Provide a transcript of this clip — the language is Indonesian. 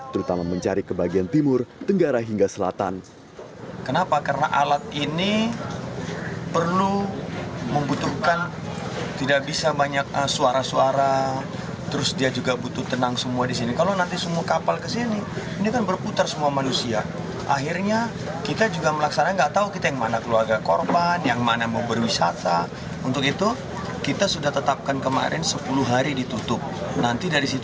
terutama mencari ke bagian timur tenggara hingga selatan